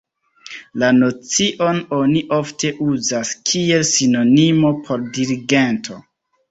La nocion oni ofte uzas kiel sinonimo por dirigento.